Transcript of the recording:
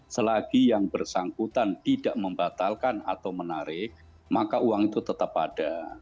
selagi yang bersangkutan tidak membatalkan atau menarik maka uang itu tetap ada